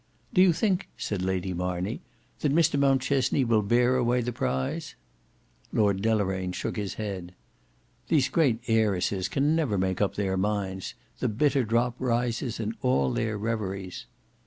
"Do you think," said Lady Marney, "that Mr Mountchesney will bear away the prize?" Lord Deloraine shook his head. "These great heiresses can never make up their minds. The bitter drop rises in all their reveries."